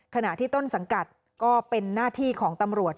ขณะที่ต้นสังกัดก็เป็นหน้าที่ของตำรวจ